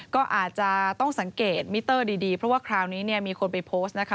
ก็อาจจะต้องสังเกตมิเตอร์ดีเพราะว่าคราวนี้เนี่ยมีคนไปโพสต์นะคะ